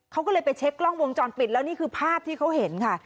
เขาก็เลยไปเช็คกล้องวงจรปิดแล้วนี่คือภาพที่เขาเห็นค่ะ